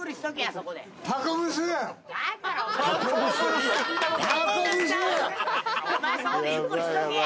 そこでゆっくりしとけや！